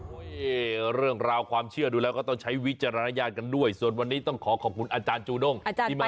เรื่องราวความเชื่อดูแล้วก็ต้องใช้วิจารณญาณกันด้วยส่วนวันนี้ต้องขอขอบคุณอาจารย์จูด้งที่มา